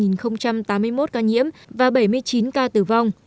nga ghi nhận thêm hai tám mươi một ca nhiễm và bảy mươi chín ca tử vong